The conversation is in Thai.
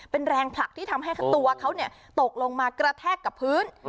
เป็นแรงผลักที่ทำให้ตัวเขาตกลงมากระแทกกับพื้น